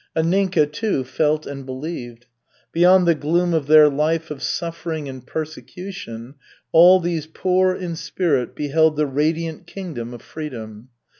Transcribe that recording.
Anninka, too, felt and believed. Beyond the gloom of their life of suffering and persecution, all these poor in spirit beheld the radiant kingdom of freedom.